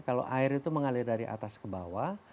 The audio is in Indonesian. kalau air itu mengalir dari atas ke bawah